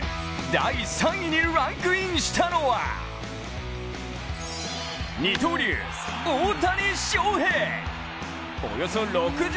第３位にランクインしたのは二刀流・大谷翔平！